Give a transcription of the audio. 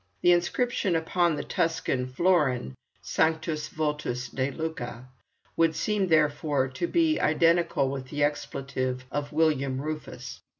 The inscription upon the Tuscan florin, "Sanctus vultus de Lucca," would seem, therefore, to be identical with the expletive of William Rufus.